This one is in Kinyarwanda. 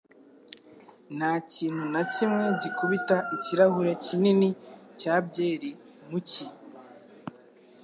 Nta kintu na kimwe gikubita ikirahure kinini cya byeri mu cyi.